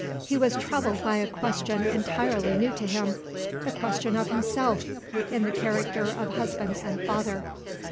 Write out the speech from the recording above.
He was troubled by a question entirely new to him the question of himself, in the character of husband and father.